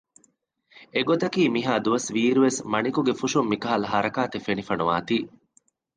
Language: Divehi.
އެ ގޮތަކީ މިހައި ދުވަސް ވީއިރު ވެސް މަނިކުގެ ފުށުން މިކަހަލަ ހަރަކާތެއް ފެނިފައި ނުވާތީ